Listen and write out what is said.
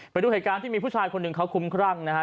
ไปดูเหตุการณ์ที่มีผู้ชายคนหนึ่งเขาคุ้มครั่งนะฮะ